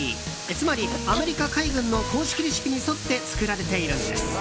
つまりアメリカ海軍の公式レシピに沿って作られているんです。